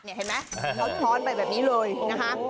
เห็นไหมทอดไปแบบนี้เลยนะคะ